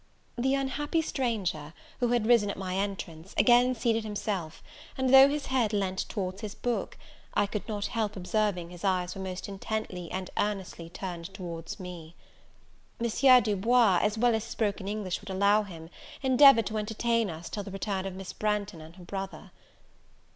The unhappy stranger, who had risen at my entrance, again seated himself; and though his head leant towards his book, I could not help observing, his eyes were most intently and earnestly turned towards me. M. Du Bois, as well as his broken English would allow him, endeavoured to entertain us till the return of Miss Branghton and her brother.